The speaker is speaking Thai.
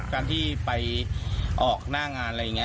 การที่ไปออกหน้างานอะไรอย่างนี้